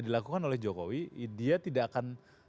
dilakukan oleh jokowi dia tidak akan